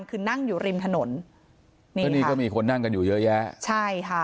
คือนั่งอยู่ริมถนนนี่ก็นี่ก็มีคนนั่งกันอยู่เยอะแยะใช่ค่ะ